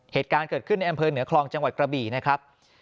เหตุการณ์เกิดขึ้นในอำเภอเหนือคลองจังหวัดกระบี่นะครับ